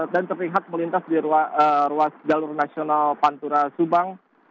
dan terlihat melintas di ruas jalur nasional pantura subang